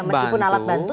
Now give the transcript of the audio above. ya meskipun alat bantu